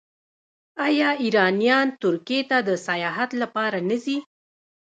آیا ایرانیان ترکیې ته د سیاحت لپاره نه ځي؟